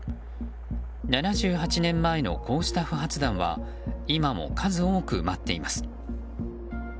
７８年前のこうした不発弾は今も数多く埋まっています。